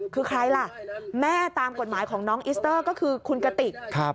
คือใครล่ะแม่ตามกฎหมายของน้องอิสเตอร์ก็คือคุณกติก